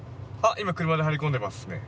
今車で張り込んでますね。